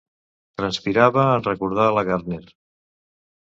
Transpirava en recordar la Gardner.